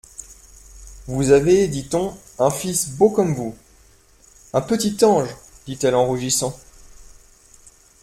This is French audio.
Vous avez, dit-on, un fils beau comme vous ? Un petit ange ! dit-elle en rougissant.